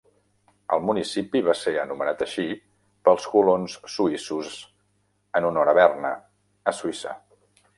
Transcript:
El municipi va ser nomenat així pels colons suïssos en honor a Berna, a Suïssa.